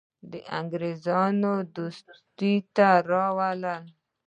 د انګرېزانو دوستي ته راولي.